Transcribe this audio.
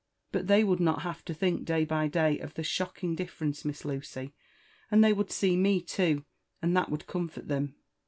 "But they would not have to think day by day of the shocking dif ference, Miss Lucy. And they would see me too, and that would comfort them."